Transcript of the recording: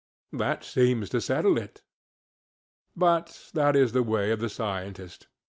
That seems to settle it. But that is the way of the scientist.